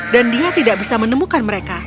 dia tidak bisa menemukan mereka